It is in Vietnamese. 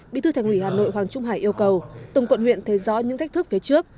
bí thư thành ủy hà nội hoàng trung hải yêu cầu từng quận huyện thấy rõ những thách thức phía trước